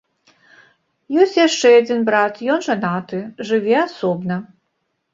Ёсць яшчэ адзін брат, ён жанаты, жыве асобна.